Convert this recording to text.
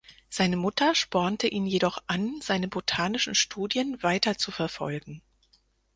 Seine Mutter spornte ihn jedoch an, seine botanischen Studien weiter zu verfolgen.